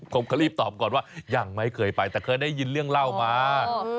ผมก็รีบตอบก่อนว่ายังไม่เคยไปแต่เคยได้ยินเรื่องเล่ามา